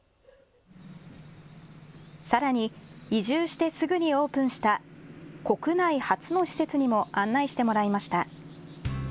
さらに移住してすぐにオープンした国内初の施設にも案内してもらいました。